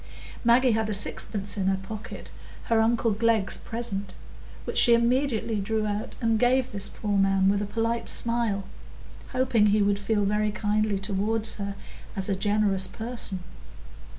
Maggie had a sixpence in her pocket,—her uncle Glegg's present,—which she immediately drew out and gave this poor man with a polite smile, hoping he would feel very kindly toward her as a generous person.